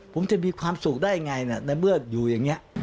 ผมจะมีความสุขได้ไงในเมื่ออยู่อย่างนี้